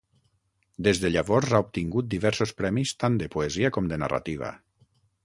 Des de llavors ha obtingut diversos premis tant de poesia com de narrativa.